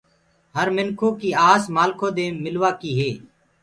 هر منکو ڪي آس مآلکو دي ملوآ ڪي هي۔